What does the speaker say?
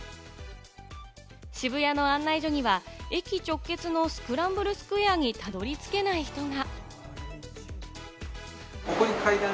渋谷の案内所には駅直結のスクランブルスクエアにたどり着けない人が。